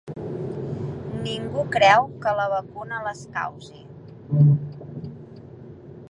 "Ningú creu que la vacuna les causi".